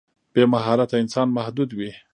بې مهارته انسان محدود وي.